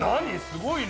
すごいね。